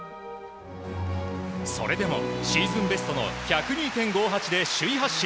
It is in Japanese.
それでも、シーズンベストの１０２．５８で首位発進。